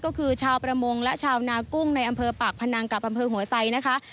ก็คือชาวประมงและชาวนากุ้งในอำเภอปากพนังกับอำเภอหัวไซนะคะ